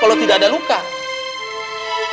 masalahnya pak haji isu ini sudah santai di masyarakat